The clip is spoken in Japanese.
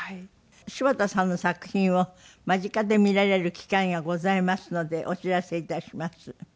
柴田さんの作品を間近で見られる機会がございますのでお知らせ致します。